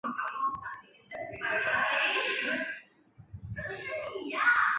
山田五十铃是首位获得文化勋章的女演员。